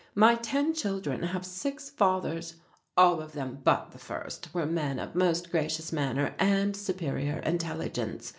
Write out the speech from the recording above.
My ten children have six fathers. All of them but the first were men of most gracious manner and superior intelligence.